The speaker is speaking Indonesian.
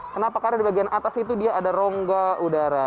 kenapa karena di bagian atas itu dia ada rongga udara